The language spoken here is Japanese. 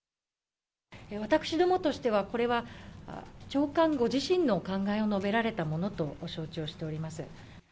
私どもとしては、これは長官ご自身のお考えを述べられたものと承知をしております。